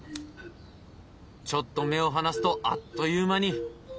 ちょっと目を離すとあっという間に。